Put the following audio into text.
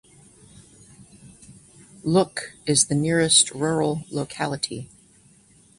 Luch is the nearest rural locality.